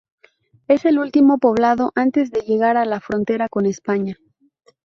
Es el último poblado antes de llegar a la frontera con España.